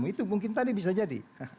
itu mungkin tadi bisa jadi